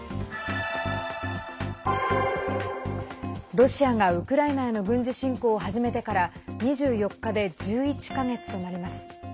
ロシアがウクライナへの軍事侵攻を始めてから２４日で１１か月となります。